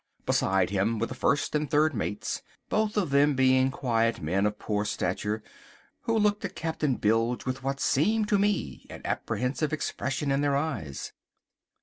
Beside him were the first and third mates, both of them being quiet men of poor stature, who looked at Captain Bilge with what seemed to me an apprehensive expression in their eyes.